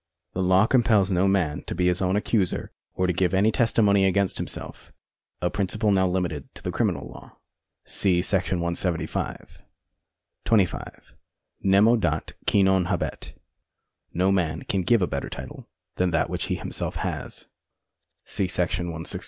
The law compels no man to be his own accuser or to give any testimony against himself — a principle now limited to the criminal law. See § 175. 25. Nemo dat qui non habet. No man can give a better title than that which he himself has. See §163.